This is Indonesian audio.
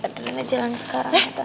adriana jalan sekarang